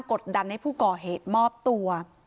กดดันให้ผู้ก่อเหตุมอบตัว